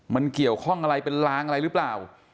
มันเกี่ยวข้องอะไรเป็นลางอะไรหรือเปล่า